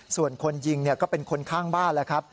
ส่วนคนยิงก็เป็นคนข้างบ้านแล้วครับ